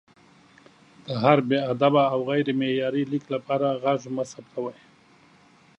د هر بې ادبه او غیر معیاري لیک لپاره غږ مه ثبتوئ!